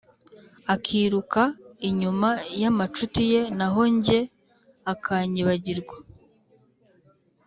akiruka inyuma y’amacuti ye, naho jye akanyibagirwa.